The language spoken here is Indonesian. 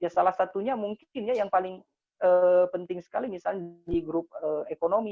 salah satunya mungkin ya yang paling penting sekali misalnya di grup ekonomi